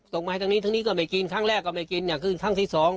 มาให้ทางนี้ทั้งนี้ก็ไม่กินครั้งแรกก็ไม่กินเนี่ยคือครั้งที่สอง